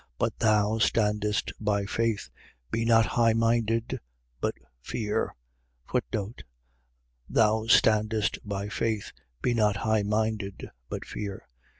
But thou standest by faith. Be not highminded, but fear. Thou standest by faith: be not highminded, but fear.